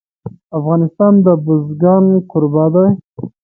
افغانستان د بزګان کوربه دی.